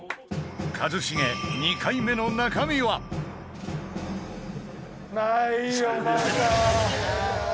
一茂、２回目の中身は長嶋：ないよ！